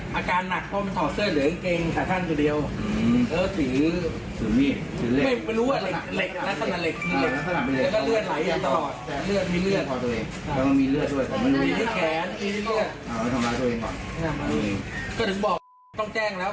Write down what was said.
ผมรับรองว่าถ้าจับเด็กไม่ไหลผมก็ชืบแน่นอน